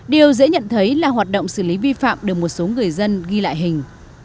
điều dễ nhận thấy là hoạt động xử lý vi phạm được một số người dân ghi lại hình